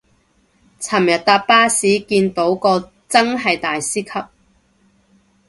尋日搭巴士見到個真係大師級